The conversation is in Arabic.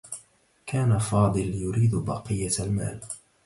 كان فاضل يريد بقية المال.